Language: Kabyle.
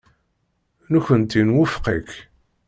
Nekkenti nwufeq-ik.